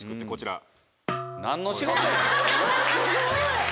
こちら。